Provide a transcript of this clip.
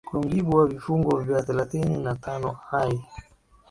kwa mujibu wa vifungu vya thelathini na tano i